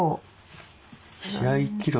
試合記録。